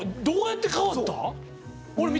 どうやってかわった？